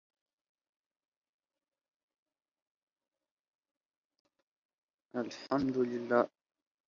زه چي د «مينې» وچي سونډې هيڅ زغملای نه سم,